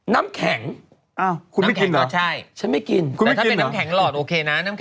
น้ำแข็งคุณไม่กินเหรอใช่ฉันไม่กินแต่ถ้าเป็นน้ำแข็งหลอดโอเคนะน้ำแ